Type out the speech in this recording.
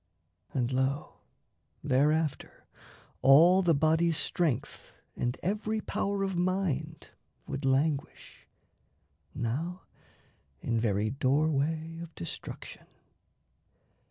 And, lo, thereafter, all the body's strength And every power of mind would languish, now In very doorway of destruction.